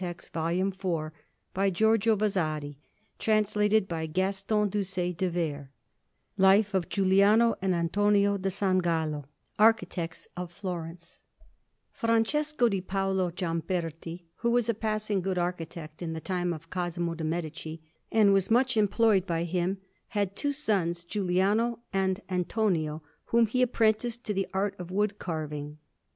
The name given in the text is Domenico. GIULIANO AND ANTONIO DA SAN GALLO LIVES OF GIULIANO AND ANTONIO DA SAN GALLO ARCHITECTS OF FLORENCE Francesco di Paolo Giamberti, who was a passing good architect in the time of Cosimo de' Medici, and was much employed by him, had two sons, Giuliano and Antonio, whom he apprenticed to the art of wood carving.